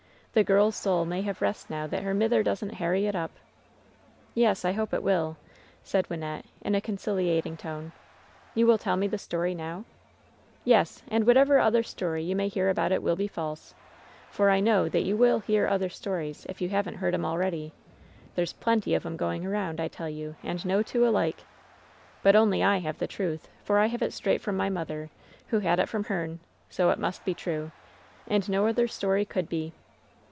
The girl's soul may have rest now that her mither doesn't harry it up." "Yes, I hope it will," said Wynnette, in a conciliating tone. "You will tell me the story now ?" "Yes I and whatever other story you may hear about it will be false, for I know that you will hear other stories, if you haven't heard 'em already. There's plenty of 'em going around, I tell you, and no two alike. But only I have the truth, for I have it straight from my mother, who had it from her'n ! So it must be true I And no other story could be